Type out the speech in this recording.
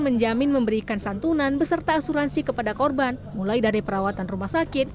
menjamin memberikan santunan beserta asuransi kepada korban mulai dari perawatan rumah sakit